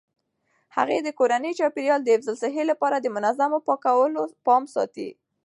هغې د کورني چاپیریال د حفظ الصحې لپاره د منظمو پاکولو پام ساتي.